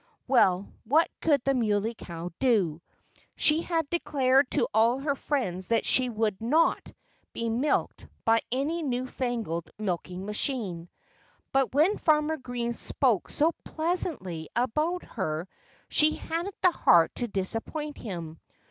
Well, what could the Muley Cow do? She had declared to all her friends that she would not be milked by any new fangled milking machine. But when Farmer Green spoke so pleasantly about her she hadn't the heart to disappoint him.